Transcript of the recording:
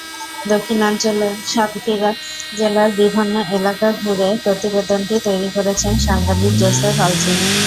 দক্ষিণাঞ্চলের সাতক্ষীরা জেলার বিভিন্ন এলকা ঘুরে প্রতিবেদনটি তৈরি করেছেন সাংবাদিক যোসেফ আলচিন।